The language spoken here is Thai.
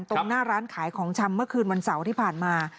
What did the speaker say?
ตรงหน้าร้านขายของชำเมื่อคืนวันเสาร์ที่ผ่านมา